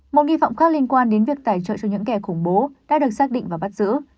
một nghi phạm khác liên quan đến việc tài trợ cho những kẻ khủng bố đã được xác định và bắt giữ